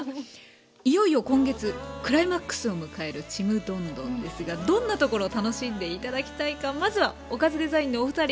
いよいよ今月クライマックスを迎える「ちむどんどん」ですがどんなところ楽しんで頂きたいかまずはオカズデザインのお二人。